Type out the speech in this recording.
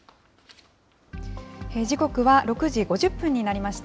時刻は６時５０分になりました。